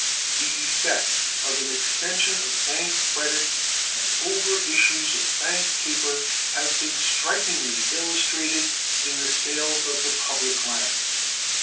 The effects of an extension of bank credits and over issues of bank paper have been strikingly illustrated in the sales of the public lands.